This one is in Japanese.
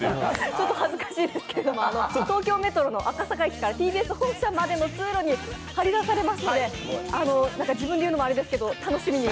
ちょっと恥ずかしいですけど、東京メトロの赤坂駅からＴＢＳ本社までの通路に貼り出されますので自分で言うのもあれですけど楽しみに。